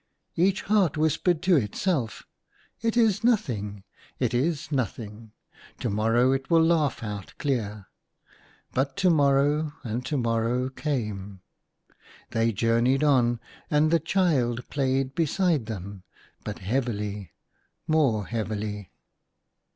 *" Each heart whispered to itself, *' It is nothing, it is nothing, to morrow it will laugh out clear." But to morrow and to morrow came. They journeyed on, and the child played beside them, but heavily, more heavily.